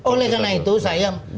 oleh karena itu saya